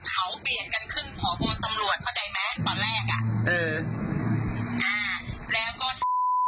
เขาเปลี่ยนกันขึ้นพวกคนตำรวจ